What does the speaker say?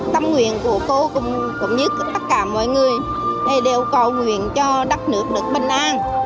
tâm nguyện của cô cũng như tất cả mọi người đều cầu nguyện cho đất nước được bình an